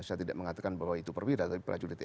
saya tidak mengatakan bahwa itu perwira tapi prajurit